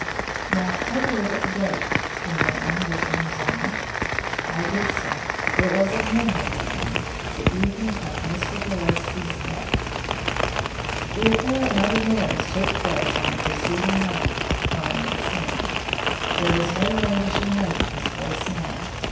"Now take a look at the date," he went on, lifting his arm. I did so; it was a memorable one, the evening of Mr. Gillespie's death. "The affair at Mother Merry's took place on the preceding night," commented Sam. There was no languishing note in his voice now.